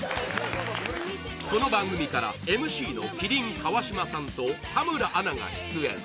この番組から、ＭＣの麒麟・川島さんと田村アナが出演。